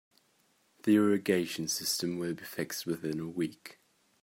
The irrigation system will be fixed within a week.